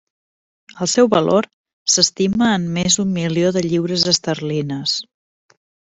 El seu valor s'estima en més d'un milió de lliures esterlines.